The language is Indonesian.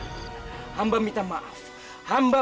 bisakah mereka mencegah persempit lawananku